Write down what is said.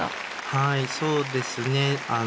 はいそうですね。